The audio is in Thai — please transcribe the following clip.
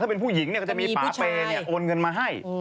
เป็นผู้หญิงก็จะมีป่าเปย์โอนเงินมาให้